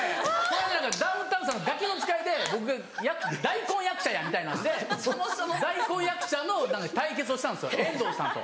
この間ダウンタウンさんの『ガキの使い』で僕「大根役者や」みたいなんで大根役者の対決をしたんですよ遠藤さんと。